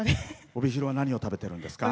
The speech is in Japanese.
帯広は何を食べてるんですか？